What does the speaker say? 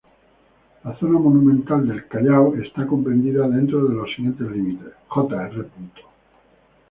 La zona monumental del Callao está comprendida dentro de los siguientes límites: Jr.